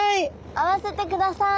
会わせてください！